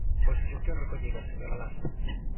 Pois suxestión recollida, señora Lastres.